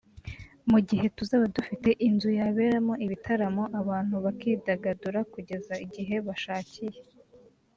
mugihe tuzaba dufite inzu yaberamo ibitaramo abantu bakidagadura kugeza igihe bashakiye